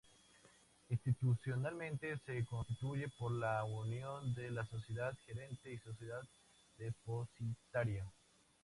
Institucionalmente se constituye por la unión de Sociedad Gerente y Sociedad Depositaria.